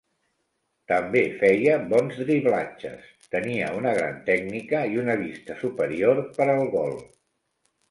També feia bons driblatges, tenia una gran tècnica i una vista superior per al gol.